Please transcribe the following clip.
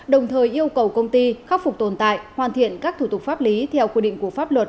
đồng thời yêu cầu công ty khắc phục tồn tại hoàn thiện các thủ tục pháp lý theo quy định của pháp luật